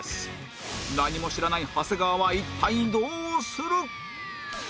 何も知らない長谷川は一体どうする！？